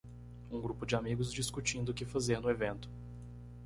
Um grupo de amigos discutindo o que fazer no evento.